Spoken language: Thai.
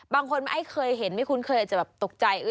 บางคนไม่เคยเห็นไม่คุ้นเคยอาจจะแบบตกใจ